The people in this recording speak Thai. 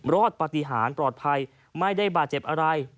รอดปฏิหารปลอดภัยไม่ได้บาดเจ็บอะไร